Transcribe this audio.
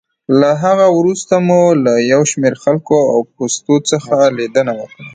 له هغه وروسته مو له یو شمېر خلکو او پوستو څخه لېدنه وکړه.